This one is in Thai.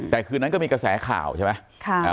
แต่คืนนั้นก็มีกระแสข่าวใช่ไหม